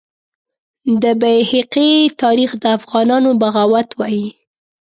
د بیهقي تاریخ د افغانانو بغاوت وایي.